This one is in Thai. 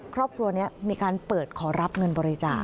ครอบครัวนี้มีการเปิดขอรับเงินบริจาค